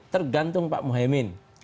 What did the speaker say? tergantung pak muhyemin